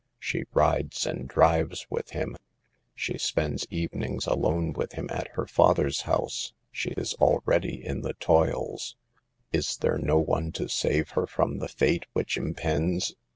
She rides and drives with him, 2* 42 SAVE THE GIRLS. she spends evenings alone with him at her father's house, she is already in the toils. Is there no one to save her from the fate which impends